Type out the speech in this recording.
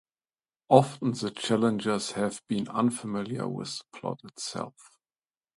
Often the challengers have been unfamiliar with the plot itself.